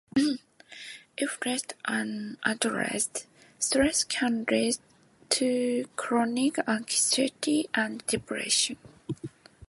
If left unaddressed, stress can lead to chronic anxiety and depression.